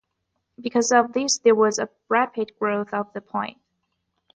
Because of this there was a rapid growth of the Point.